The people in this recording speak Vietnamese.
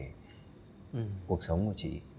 cuộc sống của chị